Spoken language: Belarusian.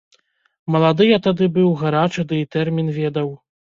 Малады я тады быў, гарачы, ды і тэрмін ведаў.